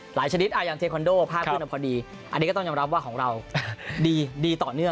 ชนิดอย่างเทคอนโดภาพขึ้นพอดีอันนี้ก็ต้องยอมรับว่าของเราดีต่อเนื่อง